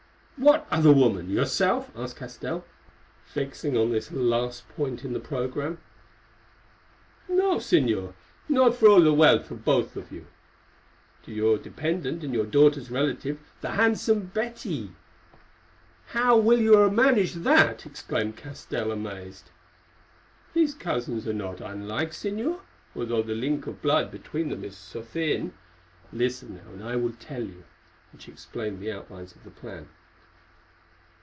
"What other woman? Yourself?" asked Castell, fixing on this last point in the programme. "No, Señor, not for all the wealth of both of you. To your dependent and your daughter's relative, the handsome Betty." "How will you manage that?" exclaimed Castell, amazed. "These cousins are not unlike, Señor, although the link of blood between them is so thin. Listen now, I will tell you." And she explained the outlines of her plan.